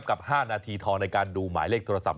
กับ๕นาทีทองในการดูหมายเลขโทรศัพ